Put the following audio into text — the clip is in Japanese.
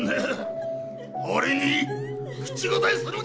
俺に口答えする気か！